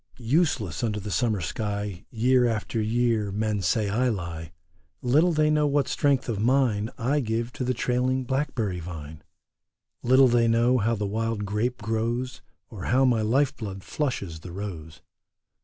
Useless under the summer sky Year after year men say I lie. Little they know what strength of mine I give to the trailing blackberry vine ; Little they know how the wild grape grows, Or how my life blood flushes the rose.